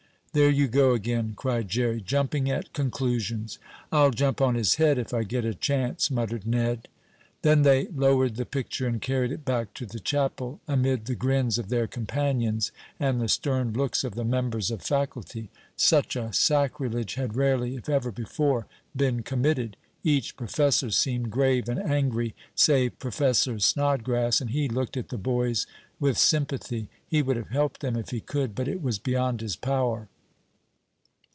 "There you go again!" cried Jerry. "Jumping at conclusions." "I'll jump on his head if I get a chance," muttered Ned. Then they lowered the picture and carried it back to the chapel, amid the grins of their companions and the stern looks of the members of faculty. Such a sacrilege had rarely, if ever before, been committed. Each professor seemed grave and angry, save Professor Snodgrass, and he looked at the boys with sympathy. He would have helped them if he could, but it was beyond his power.